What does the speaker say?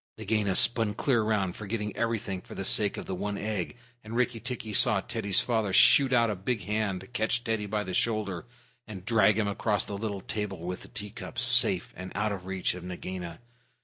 Nagaina spun clear round, forgetting everything for the sake of the one egg. Rikki tikki saw Teddy's father shoot out a big hand, catch Teddy by the shoulder, and drag him across the little table with the tea cups, safe and out of reach of Nagaina.